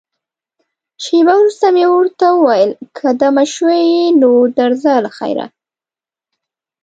شېبه وروسته مې ورته وویل، که دمه شوې یې، نو درځه له خیره.